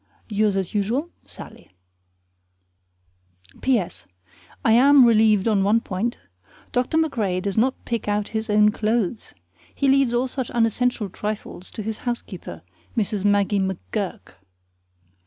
Yours as usual, SALLIE. P.S. I am relieved on one point. Dr. MacRae does not pick out his own clothes. He leaves all such unessential trifles to his housekeeper, Mrs. Maggie McGurk.